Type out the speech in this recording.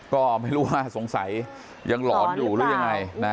ก็ไม่รู้ว่าสงสัยยังหลอนอยู่หรือยังไงนะ